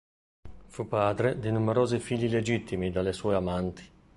Fu padre di numerosi figli illegittimi dalle sue amanti.